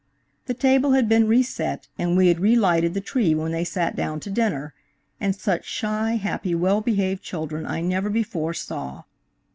The table had been reset and we had relighted the tree when they sat down to dinner, and such shy, happy, well behaved children I never before saw.